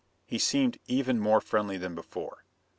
He seemed even more friendly than before.